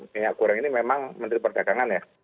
minyak goreng ini memang menteri perdagangan ya